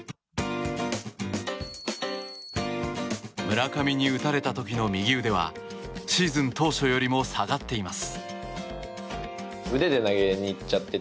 村上に打たれた時の右腕はシーズン当初よりも下がっています。